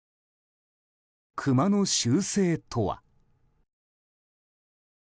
クマの習性とは？